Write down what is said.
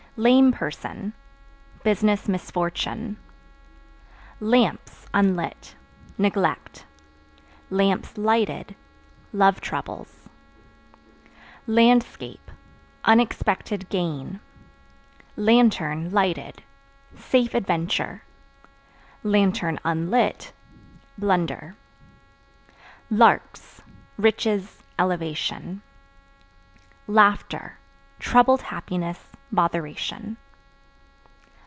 Lame Person Business misfortune. Lamps (Unlit) neglect; (lighted) love troubles. Landscape Unexpected gain. Lantern (Lighted) safe adventure; (unlit) blunder. Larks Riches, elevation. Laughter Troubled happiness, botheration.